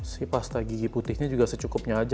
si pasta gigi putihnya juga secukupnya aja